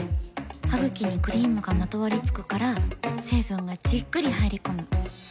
ハグキにクリームがまとわりつくから成分がじっくり入り込む。